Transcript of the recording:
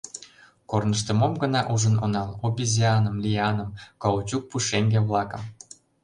Корнышто мом-гына ужын онал: обезьяным, лианым, каучук пушеҥге-влакым!..